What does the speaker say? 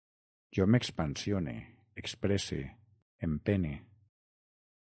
Jo m'expansione, expresse, empene